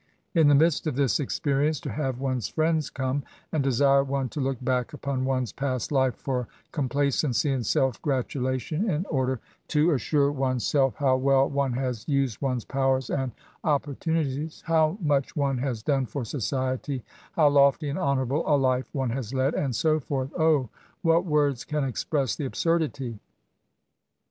In the midst of tiiis experience, to have one's Mends come, and desire one to look back upon one's past life for compla cency and self gratulation, in order to assure one'a rnif how well one has used one'spowers andoppor i 22 ]ssaAT9. tu&itiee— how much one has done fi>F society— how lo&y and honourable a life one has led — and so forth, —! what words can express the absurdity!